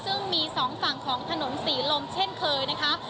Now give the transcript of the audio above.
ซึ่งมีสองฝั่งของถนนศรีลมเช่นเคยนะคะ